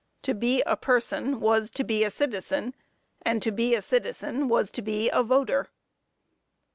To be a person was to be a citizen, and to be a citizen was to be a voter.